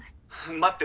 待って。